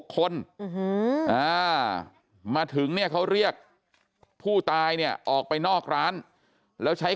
คนมาถึงเนี่ยเขาเรียกผู้ตายเนี่ยออกไปนอกร้านแล้วใช้